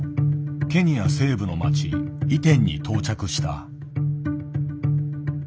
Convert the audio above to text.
ケニア西部の町イテンに到着した。